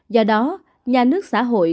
do đó nhà nước xã hội